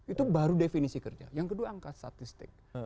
itu baru definisi kerja yang kedua angka statistik